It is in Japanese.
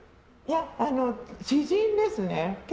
知人ですね。